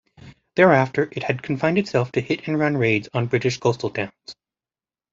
Thereafter it had confined itself to hit-and-run raids on British coastal towns.